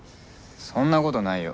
そんなことないよ。